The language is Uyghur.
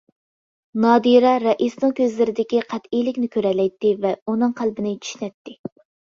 نادىرە رەئىسنىڭ كۆزلىرىدىكى قەتئىيلىكنى كۆرەلەيتتى ۋە ئۇنىڭ قەلبىنى چۈشىنەتتى.